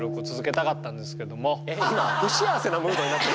今不幸せなムードになってるの？